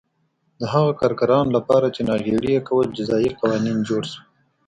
د هغو کارګرانو لپاره چې ناغېړي یې کوله جزايي قوانین جوړ شول